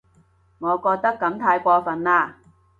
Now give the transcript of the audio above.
我覺得噉太過份喇